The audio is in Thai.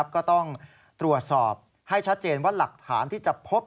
ก็ต้องตรวจสอบให้ชัดเจนว่าหลักฐานที่จะพบ